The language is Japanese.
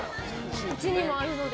うちにもあるので。